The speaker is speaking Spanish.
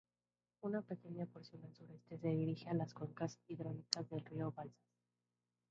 Una pequeña porción al sureste se dirige a la cuenca hidrológica del río Balsas.